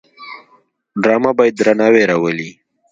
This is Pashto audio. ډرامه باید درناوی راولي